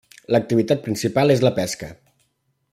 L'activitat principal és la pesca.